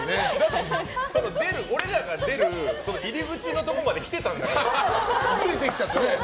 俺らが出る入り口のところまでついてきちゃって。